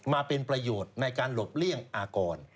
มาเป็นประโยชน์ในการหลบเลี่ยงอากร